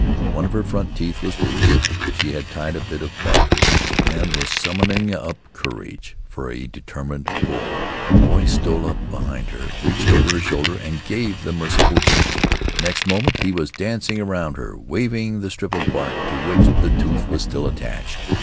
One of her front teeth was loose; she had tied a bit of bark to it and was summoning up courage for a determined pull. A boy stole up behind her, reached over her shoulder, and gave the merciful jerk; next moment he was dancing around her, waving the strip of bark to which the tooth was still attached.